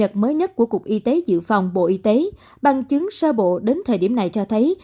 một trường hợp mới nhất của cục y tế dự phòng bộ y tế bằng chứng sơ bộ đến thời điểm này cho thấy